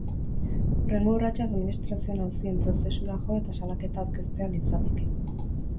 Hurrengo urratsa administrazioen auzien prozesura jo eta salaketa aurkeztea litzateke.